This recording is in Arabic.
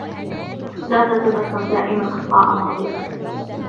لا تتذكر دائما أخطاء ماضيك.